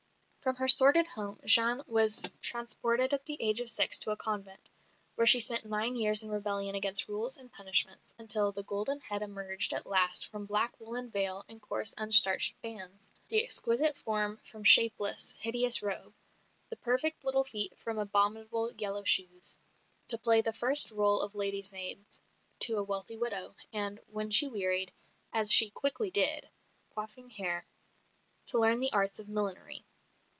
From her sordid home Jeanne was transported at the age of six to a convent, where she spent nine years in rebellion against rules and punishments, until "the golden head emerged at last from black woollen veil and coarse unstarched bands, the exquisite form from shapeless, hideous robe, the perfect little feet from abominable yellow shoes," to play first the rôle of lady's maid to a wealthy widow, and, when she wearied (as she quickly did) of coiffing hair, to learn the arts of millinery.